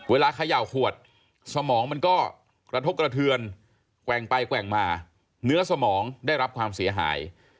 เขย่าขวดสมองมันก็กระทบกระเทือนแกว่งไปแกว่งมาเนื้อสมองได้รับความเสียหาย